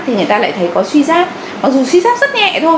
thì người ta lại thấy có suy giác